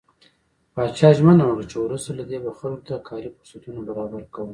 پاچا ژمنه وکړه چې وروسته له دې به خلکو ته کاري فرصتونه برابر کوم .